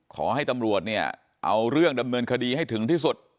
ขอให้ตำรวจเนี่ยเอาเรื่องดำเนินคดีให้ถึงที่สุด